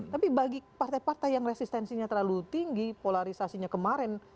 tapi bagi partai partai yang resistensinya terlalu tinggi polarisasinya kemarin